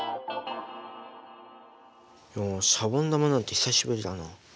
おシャボン玉なんて久しぶりだな。